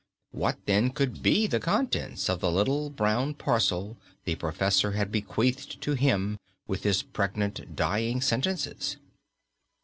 What, then, could be the contents of the little brown parcel the professor had bequeathed to him with his pregnant dying sentences?